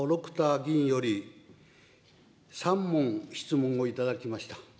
議員より、３問質問を頂きました。